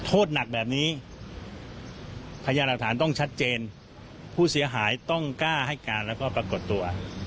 โทษหนักแบบนี้พยานหลักฐานต้องชัดเจนผู้เสียหายต้องกล้าให้การแล้วก็ปรากฏตัว